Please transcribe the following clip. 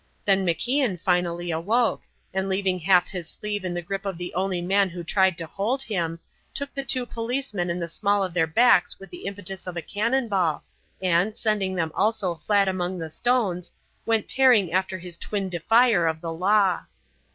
Then MacIan finally awoke, and leaving half his sleeve in the grip of the only man who tried to hold him, took the two policemen in the small of their backs with the impetus of a cannon ball and, sending them also flat among the stones, went tearing after his twin defier of the law.